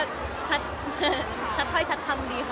แต่ว่าอันนี้ชัดท้อยชัดทำดีค่ะ